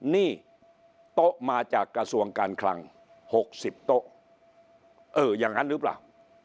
นี่โต๊ะมาจากกระทรวงการคลัง๖๐โต๊ะเอออย่างนั้นหรือเปล่า